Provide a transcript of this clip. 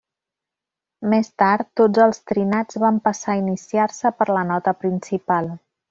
Més tard, tots els trinats van passar a iniciar-se per la nota principal.